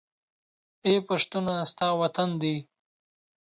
اې پښتونه! ستا وطن دى